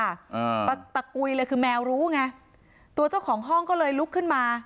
อ่าตะตะกุยเลยคือแมวรู้ไงตัวเจ้าของห้องก็เลยลุกขึ้นมา